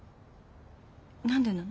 何でなの？